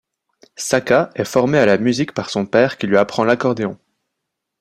Saka est formé à la musique par son père qui lui apprend l’accordéon.